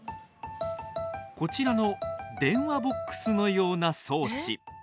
こちらの電話ボックスのような装置。